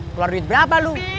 keluar duit berapa lo